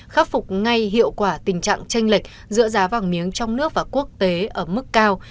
khắc phục ngay hiệu quả tình trạng tranh lệch giữa giá vàng miếng trong nước và quốc tế ở mức cao